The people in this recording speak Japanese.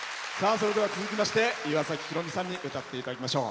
それでは続きまして岩崎宏美さんに歌っていただきましょう。